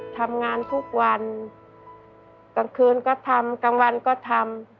ทำงานทุกวันกลางคืนก็ทำกลางวันก็ทำ